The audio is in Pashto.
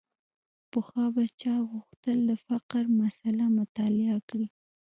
پخوا به چا غوښتل د فقر مسأله مطالعه کړي.